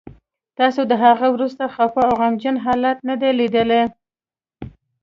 تاسو د هغه وروستی خفه او غمجن حالت نه دی لیدلی